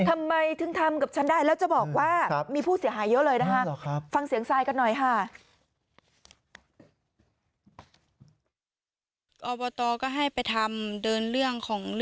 ทำไมถึงทำกับฉันได้แล้วจะบอกว่ามีผู้เสียหายเยอะเลยนะคะ